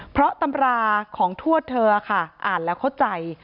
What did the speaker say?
เพราะตำราของทวดเธอค่ะอ่านแล้วเข้าใจ